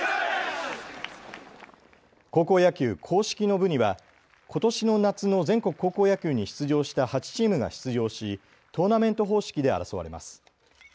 高校野球硬式の部にはことしの夏の全国高校野球に出場した８チームが出場しトーナメント方式で争われます。